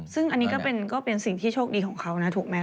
ซึ่งอันนี้ก็เป็นสิ่งที่โชคดีของเขานะถูกไหม